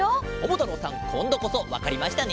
ももたろうさんこんどこそわかりましたね？